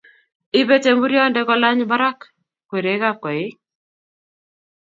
ibei temburionde kolany barak kwerekab koik